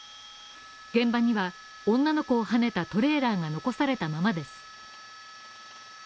現場には女の子をはねたトレーラーが残されたままです。